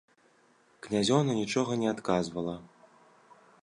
Князёўна нічога не адказвала.